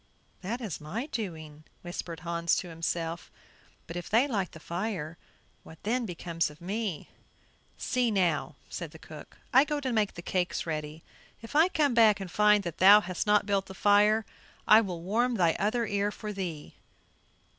"That is my doing," whispered Hans to himself; "but if they light the fire, what then becomes of me?" "See now," said the cook; "I go to make the cakes ready; if I come back and find that thou hast not built the fire, I will warm thy other ear for thee."